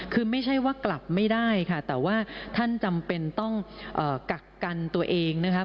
คือไม่ใช่ว่ากลับไม่ได้ค่ะแต่ว่าท่านจำเป็นต้องกักกันตัวเองนะคะ